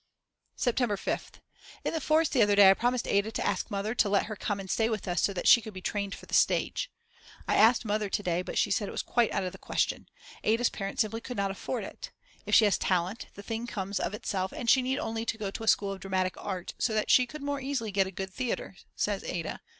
September 5th. In the forest the other day I promised Ada to ask Mother to let her come and stay with us so that she could be trained for the stage. I asked Mother to day, but she said it was quite out of the question. Ada's parents simply could not afford it. If she has talent, the thing comes of itself and she need only go to a school of Dramatic Art so that she could more easily get a good Theatre says Ada.